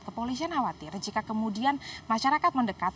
kepolisian khawatir jika kemudian masyarakat mendekat